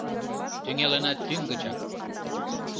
— Тӱҥалына тӱҥ гычак.